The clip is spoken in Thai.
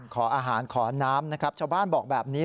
ขออาหารขอน้ำนะครับชาวบ้านบอกแบบนี้